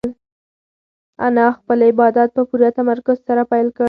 انا خپل عبادت په پوره تمرکز سره پیل کړ.